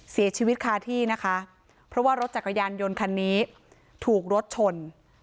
เสียชีวิตคาที่นะคะเพราะว่ารถจักรยานยนต์คันนี้ถูกรถชน